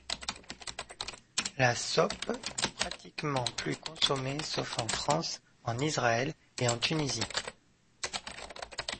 La saupe n’est pratiquement plus consommée sauf en France, en Israël et en Tunisie.